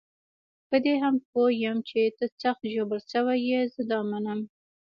په دې هم پوه یم چې ته سخت ژوبل شوی یې، زه دا منم.